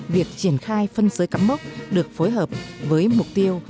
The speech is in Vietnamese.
việc triển khai phân giới cắm mốc được phối hợp với mục tiêu